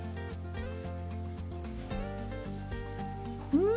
うん！